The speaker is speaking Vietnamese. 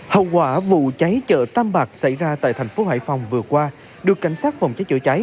hậu quả vụ cháy chợ tam bạc xảy ra tại thành phố hải phòng vừa qua được cảnh sát phòng cháy chữa cháy